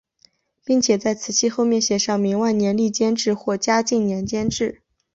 并且在瓷器后面写上明万历年间制或嘉靖年间制。